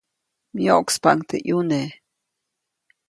Myoʼkspaʼuŋ teʼ ʼyune.